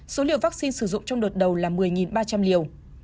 số liều vaccine sử dụng trong đợt đầu là một mươi ba trăm linh liều